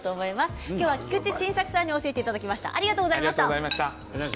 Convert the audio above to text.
今日は菊池晋作さんに教えていただきました。